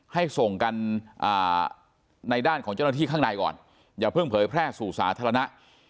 ให้ส่งกันในด้านของเจ้าหน้าที่ข้างในก่อนอย่าเพิ่งเผยแพร่สู่สาธารณะ